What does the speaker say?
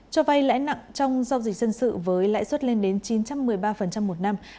cho vay lãi nặng trong giao dịch dân sự với lãi suất lên đến chín trăm một mươi ba một năm